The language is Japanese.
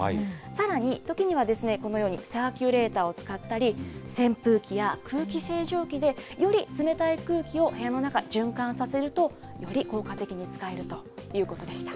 さらに、時にはこのように、サーキュレーターを使ったり、扇風機や空気清浄機で、より冷たい空気を部屋の中、循環させると、より効果的に使えるということでした。